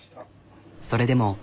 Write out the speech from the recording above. それでも。